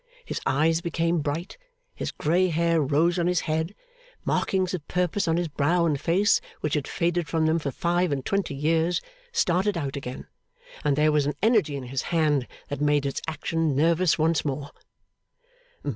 His eyes became bright, his grey hair rose on his head, markings of purpose on his brow and face which had faded from them for five and twenty years, started out again, and there was an energy in his hand that made its action nervous once more.